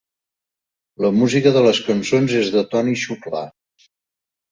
La música de les cançons és de Toni Xuclà.